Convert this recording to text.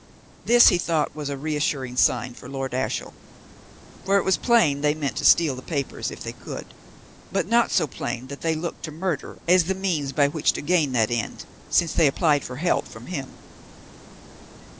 This, he thought, was a reassuring sign for Lord Ashiel. For it was plain they meant to steal the papers, if they could; but not so plain that they looked to murder as the means by which to gain that end, since they applied for help from him.